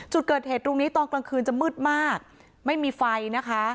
จุดเกิดเหตุตรงนี้ตอนกลางคืนจะมืดมากไม่มีไฟนะคะ